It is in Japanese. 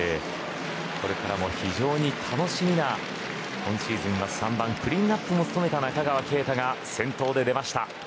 これからも非常に楽しみな今シーズンの３番クリーンアップも務めた中川圭太が先頭で出ました。